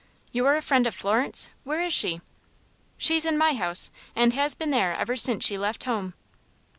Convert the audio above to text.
"You're a friend of Florence? Where is she?" "She's in my house, and has been there ever since she left her home."